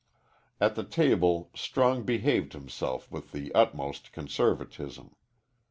At the table Strong behaved himself with the utmost conservatism.